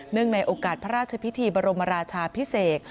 ในโอกาสพระราชพิธีบรมราชาพิเศษ